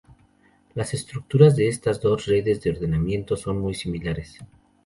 Las estructuras de estas dos redes de ordenamiento son muy similares.